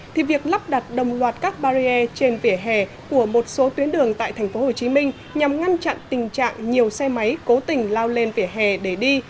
thì việc lắp đặt đồng loạt các barrier trên vỉa hè của một số tuyến đường tại tp hcm nhằm ngăn chặn tình trạng nhiều xe máy cố tình lao lên vỉa hè để đi